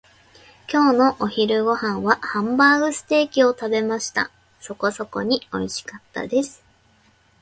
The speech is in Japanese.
今日のお昼ご飯はハンバーグステーキを食べました。そこそこにおいしかったです。